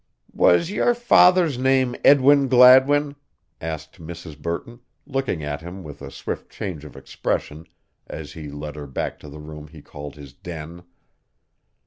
"Was your father's name Edwin Gladwin?" asked Mrs. Burton, looking at him with a swift change of expression as he led her back to the room he called his den.